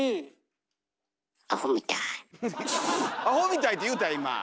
「アホみたい」って言うた今！